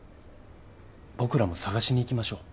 僕らも捜しにいきましょう。